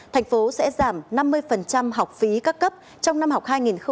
thành phố sẽ giảm năm mươi học phí các cấp trong năm học hai nghìn hai mươi hai nghìn hai mươi một